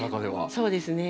そうですね。